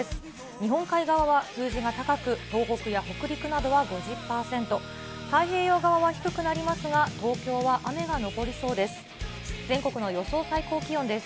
日本海側は数字が高く、東北や北陸などは５０％、太平洋側は低くなりますが、東京は雨が残りそうです。